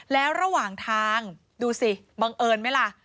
แล้วระหว่างทางดูสิบังเอิญไหมล่ะ